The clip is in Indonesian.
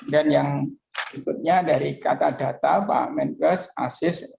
dan yang berikutnya dari katadata pak menkes asis